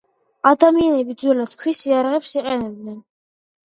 ადამიანები ძველად ქვის იარაღებს იყენებდნენ.